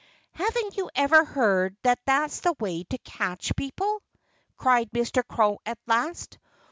"Haven't you ever heard that that's the way to catch people?" cried Mr. Crow at last.